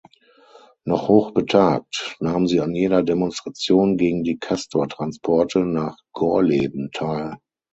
Noch hochbetagt nahm sie an jeder Demonstration gegen die Castor-Transporte nach Gorleben teil.